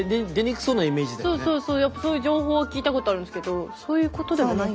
そうそうそうやっぱそういう情報を聞いたことあるんですけどそういうことではないんですか？